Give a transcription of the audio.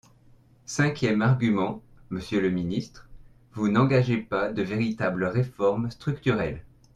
Cinquième argument, monsieur le ministre, vous n’engagez pas de véritables réformes structurelles.